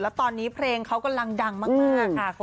แล้วตอนนี้เพลงเค้าก็รังดังมาก